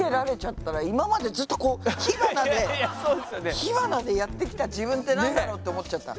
火花でやってきた自分ってなんだろうって思っちゃった。